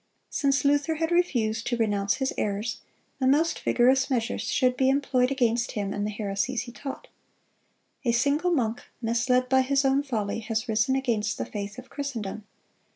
Since Luther had refused to renounce his errors, the most vigorous measures should be employed against him and the heresies he taught. "A single monk, misled by his own folly, has risen against the faith of Christendom.